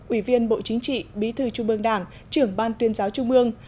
ủy viên bộ chính trị bí thư trung mương đảng trưởng ban tuyên giáo trung mương